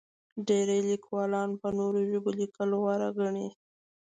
ډېری لیکوالان په نورو ژبو لیکل غوره ګڼي.